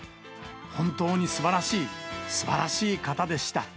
本当にすばらしい、すばらしい方でした。